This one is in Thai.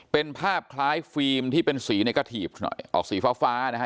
เป็นภาพคล้ายฟิล์มที่เป็นสีในกระถีบหน่อยออกสีฟ้าฟ้านะฮะ